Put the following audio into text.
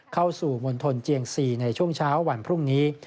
เข้าสู่มณฑลเจียง๔ในช่วงเช้าวันพรุ่งนี้